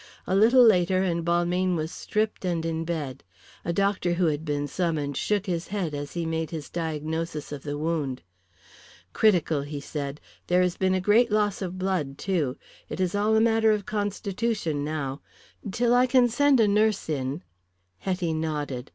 A little later and Balmayne was stripped and in bed. A doctor who had been summoned shook his head as he made his diagnosis of the wound. "Critical," he said. "There has been a great loss of blood, too. It is all a matter of constitution now. Till I can send a nurse in " Hetty nodded.